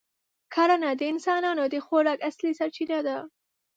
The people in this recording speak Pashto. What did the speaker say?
کرنه د انسانانو د خوراک اصلي سرچینه ده.